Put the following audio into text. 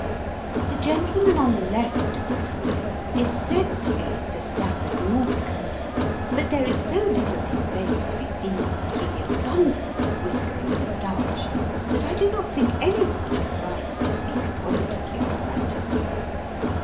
The gentleman on the left of the Premier is said to be Sir Stafford Northcote, but there is so little of his face to be seen through the abundance of whisker and moustache that I do not think any one has a right to speak positively on the matter.